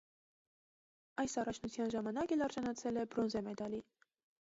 Այս առաջնության ժամանակ էլ արժանացել է բրոնզե մեդալի։